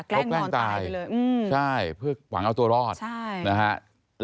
แกล้งนอนตายไปเลยอืมใช่เพื่อหวังเอาตัวรอดนะฮะใช่